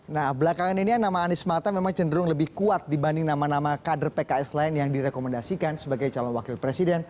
nah belakangan ini nama anies mata memang cenderung lebih kuat dibanding nama nama kader pks lain yang direkomendasikan sebagai calon wakil presiden